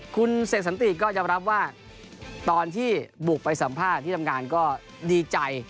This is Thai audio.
คุณเสกสันติก็ยอมรับว่าตอนที่บุกไปสัมภาษณ์ที่ทำงานก็ดีใจ